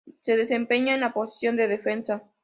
Se desempeñaba en la posición de defensa.